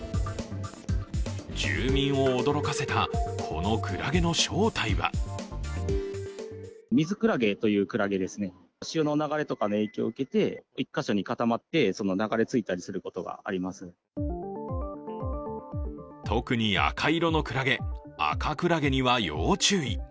住民を驚かせたこのクラゲの正体は特に赤色のクラゲ、アカクラゲには要注意。